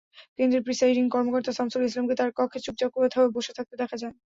কেন্দ্রের প্রিসাইডিং কর্মকর্তা সামছুল ইসলামকে তাঁর কক্ষে চুপচাপ বসে থাকতে দেখা যায়।